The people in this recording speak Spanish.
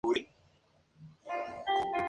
Transporte: Rionegro, Gómez Villa